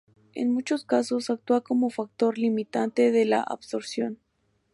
En muchos casos actúa como factor limitante de la absorción.